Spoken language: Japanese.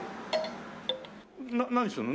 何するの？